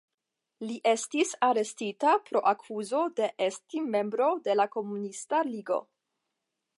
Li estis arestita pro akuzo de esti membro de la Komunista Ligo.